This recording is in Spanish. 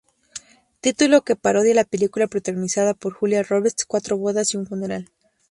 Título que parodia la película protagonizada por Julia Roberts, Cuatro bodas y un funeral.